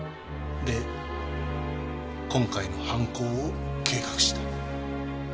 で今回の犯行を計画した。